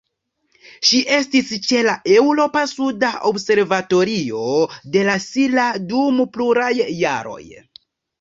Ŝi estis ĉe la Eŭropa suda observatorio de La Silla dum pluraj jaroj.